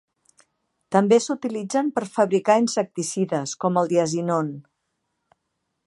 També s'utilitzen per fabricar insecticides, com el diazinon.